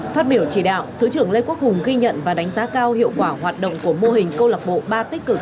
phát biểu chỉ đạo thứ trưởng lê quốc hùng ghi nhận và đánh giá cao hiệu quả hoạt động của mô hình câu lạc bộ ba tích cực